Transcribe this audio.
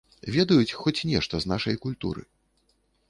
Ведаюць хоць нешта з нашай культуры?